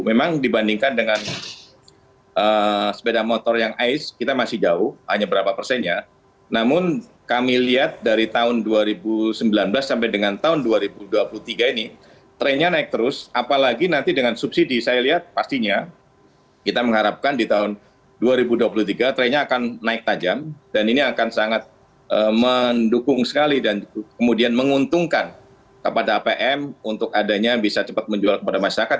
memang dibandingkan dengan sepeda motor yang ice kita masih jauh hanya berapa persennya namun kami lihat dari tahun dua ribu sembilan belas sampai dengan tahun dua ribu dua puluh tiga ini trennya naik terus apalagi nanti dengan subsidi saya lihat pastinya kita mengharapkan di tahun dua ribu dua puluh tiga trennya akan naik tajam dan ini akan sangat mendukung sekali dan kemudian menguntungkan kepada apm untuk adanya bisa cepat menjual kepada masyarakat